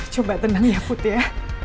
coba tenang ya food ya